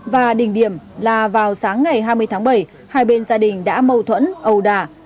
và đỉnh điểm là vào sáng ngày hai mươi tháng bảy hai bên gia đình đã mâu thuẫn ầu đà